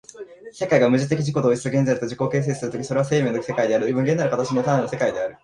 世界が矛盾的自己同一的現在として自己自身を形成する時、それは生命の世界である、無限なる形の世界、種の世界である。